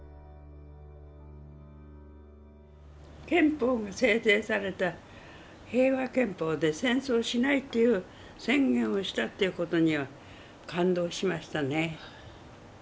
憲法が制定された平和憲法で戦争しないという宣言をしたという事には感動しましたね。